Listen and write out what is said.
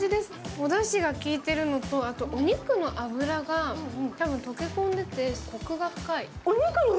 おだしが効いてるのとあと、お肉の脂が溶け込んでて、コクが深い。